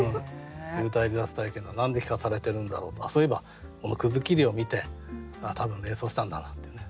幽体離脱体験を何で聞かされてるんだろうとかそういえばこの切りを見て多分連想したんだなっていうね。